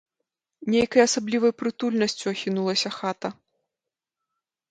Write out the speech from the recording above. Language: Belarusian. Нейкай асаблівай прытульнасцю ахінулася хата.